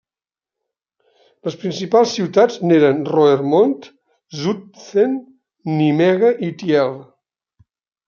Les principals ciutats n'eren Roermond, Zutphen, Nimega i Tiel.